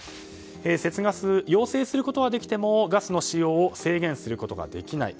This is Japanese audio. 節ガスを要請することはできてもガスの使用を制限することができない。